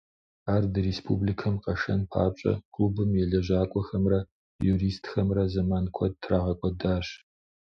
Ар ди республикэм къашэн папщӀэ, клубым и лэжьакӀуэхэмрэ юристхэмрэ зэман куэд трагъэкӀуэдащ.